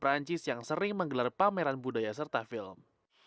perancis yang sering menggelar pameran budaya serta film